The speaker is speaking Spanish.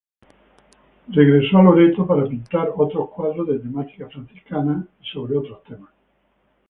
Regresó a Loreto para pintar otros cuadros de temática franciscana y sobre otros temas.